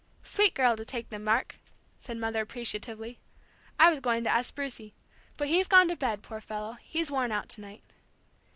"Sweet girl to take them, Mark," said Mother, appreciatively. "I was going to ask Brucie. But he's gone to bed, poor fellow; he's worn out to night."